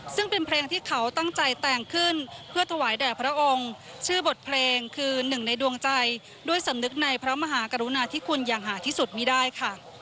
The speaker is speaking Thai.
ซึ่งเป็นเพลงที่เขาตั้งใจแต่งขึ้นเพื่อถวายแด่พระองค์ชื่อบทเพลงคือหนึ่งในดวงใจด้วยสำนึกในพระมหากรุณาที่คุณอย่างหาที่สุดมีได้ค่ะ